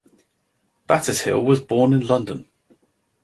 Battishill was born in London.